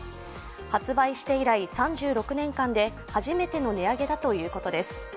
発売して以来３６年間で初めての値上げだということです。